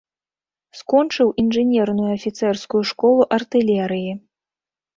Скочыў інжынерную афіцэрскую школу артылерыі.